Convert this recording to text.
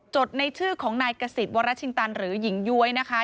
ดในชื่อของนายกษิตวรชินตันหรือหญิงย้วยนะคะ